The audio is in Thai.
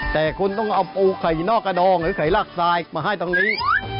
แต่คุณต้องเอาปูไข่นอกกระดองหรือไข่รากทรายมาให้ตรงนี้